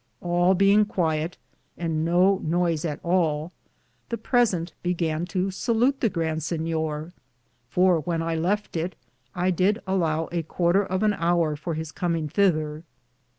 All being quiett, and no noyes at all, the presente began to salute the Grand Sinyor ; for when I lefte it I did alow a quarter of an houre for his cominge thether.